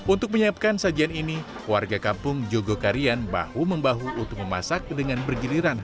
untuk menyiapkan sajian ini warga kampung jogokarian bahu membahu untuk memasak dengan bergiliran